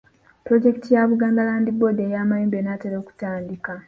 Pulojekiti ya Buganda Land Board ey’amayumba enaatera okutandika.